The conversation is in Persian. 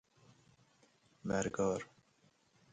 ورگار